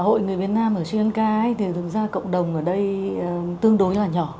hội người việt nam ở sri lanka thì thực ra cộng đồng ở đây tương đối là nhỏ